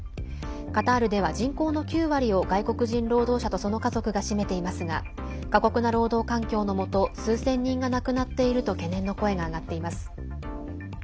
カタールでは人口の９割を外国人労働者とその家族が占めていますが過酷な労働環境のもと数千人が亡くなっていると懸念の声が上がっています。